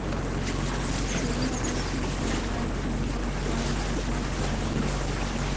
齿叶安息香为安息香科安息香属下的一个种。